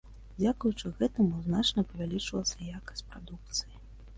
Дзякуючы гэтаму значна павялічылася якасць прадукцыі.